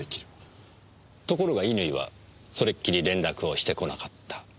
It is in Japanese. ところが乾はそれっきり連絡をしてこなかった。